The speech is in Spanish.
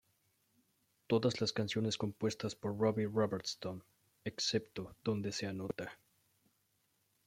Todas las canciones compuestas por Robbie Robertson excepto donde se anota.